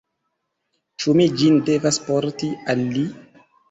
Ĉu mi ĝin devas porti al li?